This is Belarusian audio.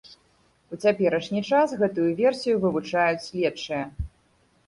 У цяперашні час гэтую версію вывучаюць следчыя.